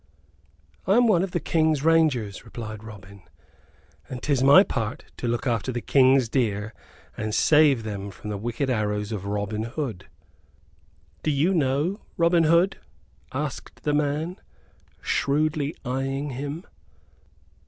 "I am one of the King's rangers," replied Robin; "and 'tis my part to look after the King's deer and save them from the wicked arrows of Robin Hood." "Do you know Robin Hood?" asked the man, shrewdly eyeing him.